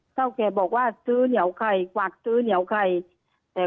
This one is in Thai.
เท่าแก่บอกว่าซื้อเหนียวไข่กวักซื้อเหนียวไข่แต่